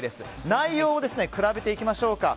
内容を比べていきましょう。